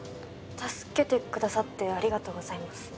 助けてくださってありがとうございます。